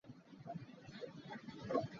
A ba tuk i a ke kaar khat hmanh a kaar kho lo.